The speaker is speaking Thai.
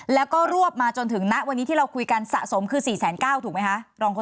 แล้วก็รวบมาจนถึงณวันนี้ที่เราคุยกันสะสมคือ๔๙๐๐ถูกไหมคะ